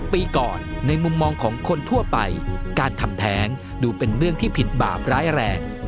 ปีก่อนในมุมมองของคนทั่วไปการทำแท้งดูเป็นเรื่องที่ผิดบาปร้ายแรง